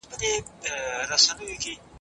رسول الله ښځو ته په کوم ځای کي وعظ کاوه؟